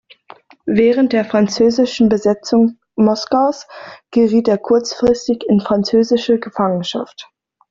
Während der französischen Besetzung Moskaus geriet er kurzfristig in französische Gefangenschaft.